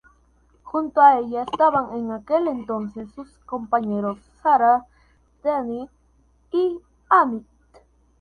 Junto a ella estaban en aquel entonces sus compañeros Sara, Dhani y Amit.